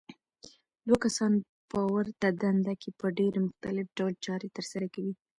دوه کسان په ورته دنده کې په ډېر مختلف ډول چارې ترسره کوي.